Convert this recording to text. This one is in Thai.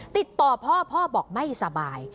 ติดต่อพ่อพ่อบอกไม่สบาย